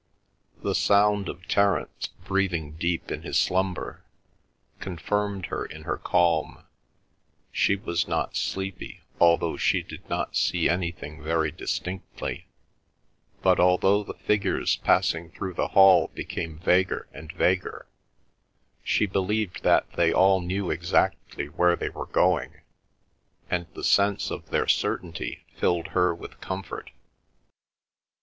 The sound of Terence, breathing deep in his slumber, confirmed her in her calm. She was not sleepy although she did not see anything very distinctly, but although the figures passing through the hall became vaguer and vaguer, she believed that they all knew exactly where they were going, and the sense of their certainty filled her with comfort.